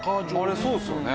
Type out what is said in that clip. あれそうですよね。